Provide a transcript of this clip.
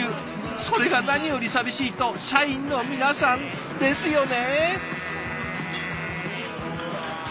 それが何より寂しいと社員の皆さん。ですよね。